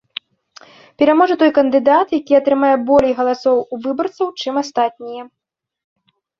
Пераможа той кандыдат, які атрымае болей галасоў выбарцаў, чым астатнія.